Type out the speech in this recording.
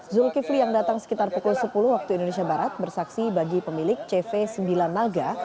zulkifli yang datang sekitar pukul sepuluh waktu indonesia barat bersaksi bagi pemilik cv sembilan naga